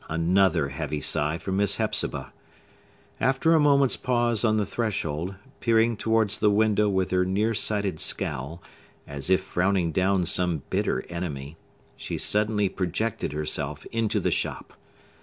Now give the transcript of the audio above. Another heavy sigh from Miss Hepzibah! After a moment's pause on the threshold, peering towards the window with her near sighted scowl, as if frowning down some bitter enemy, she suddenly projected herself into the shop.